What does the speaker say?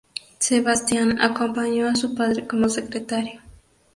Sebastián acompañó a su padre como secretario.